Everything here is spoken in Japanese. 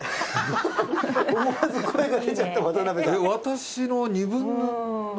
思わず声が出ちゃった渡辺さん